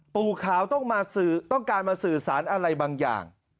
ปู่ขาวต้องการมาสื่อสารอะไรบางอย่าง